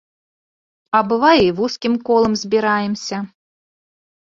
А бывае, і вузкім колам збіраемся.